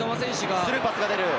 スルーパスが出る。